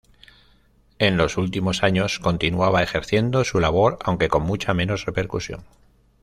En los últimos años continuaba ejerciendo su labor aunque con mucha menos repercusión.